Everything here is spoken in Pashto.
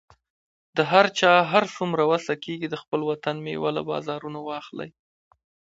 د هر چا هر څومره وسه کیږي، د خپل وطن میوه له بازارونو واخلئ